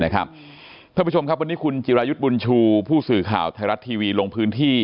ท่านผู้ชมครับวันนี้คุณจิรายุทธ์บุญชูผู้สื่อข่าวไทยรัฐทีวีลงพื้นที่